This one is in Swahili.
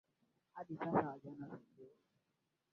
Hadi sasa hawajaona maandalizi ya kutosha kwa vinaja